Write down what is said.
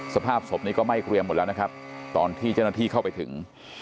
สภาพศพนี้ก็ไหม้เกรียมหมดแล้วนะครับตอนที่เจ้าหน้าที่เข้าไปถึง